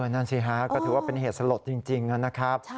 นั่นสิฮะก็ถือว่าเป็นเหตุสลดจริงนะครับ